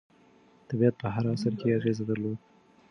طبیعت په هر عصر کې اغېز درلود.